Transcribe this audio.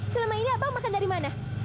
selama ini abang makan dari mana